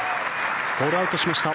ホールアウトしました。